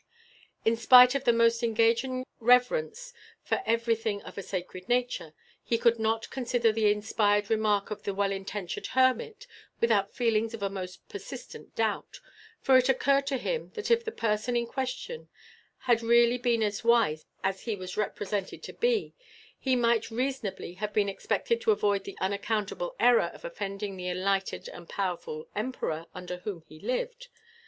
In spite of a most engaging reverence for everything of a sacred nature, he could not consider the inspired remark of the well intentioned hermit without feelings of a most persistent doubt, for it occurred to him that if the person in question had really been as wise as he was represented to be, he might reasonably have been expected to avoid the unaccountable error of offending the enlightened and powerful Emperor under whom he lived.